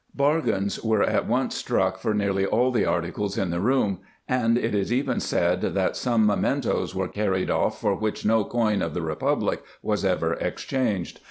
Bargains were at once struck for nearly all the articles in the room ; and it is even said that some mementos were carried off for which no coin of the republic was ever exchanged.